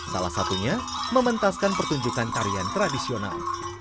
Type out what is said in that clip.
salah satunya mementaskan pertunjukan tarian tradisional